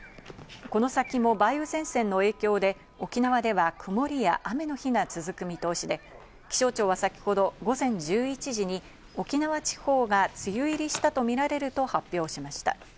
この先も梅雨前線の影響で沖縄では曇りや雨の日が続く見通しで、気象庁は先ほど午前１１時に沖縄地方が梅雨入りしたとみられると発表しました。